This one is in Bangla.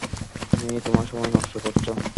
তুমি তোমার সময় নষ্ট করছ।